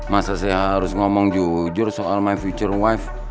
masa saya harus ngomong jujur soal future wife